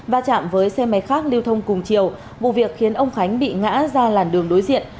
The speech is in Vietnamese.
và chạm với xe máy khác lưu thông cùng chiều vụ việc khiến ông khánh bị ngã ra làn đường đối diện